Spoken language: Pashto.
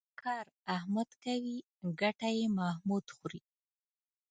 کار احمد کوي ګټه یې محمود خوري.